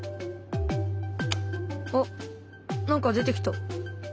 あっ何か出てきた。